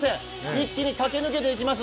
一気に駆け抜けていきます。